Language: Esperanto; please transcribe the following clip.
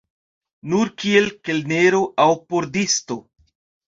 Nur kiel kelnero aŭ pordisto.